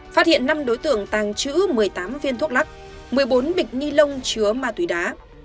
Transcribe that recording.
phát hiện năm đối tượng tàng trữ một mươi tám viên thuốc lắc một mươi bốn bịch ni lông chứa ma túy đá